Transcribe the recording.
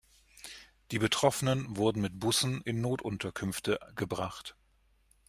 Die Betroffenen wurden mit Bussen in Notunterkünfte gebracht.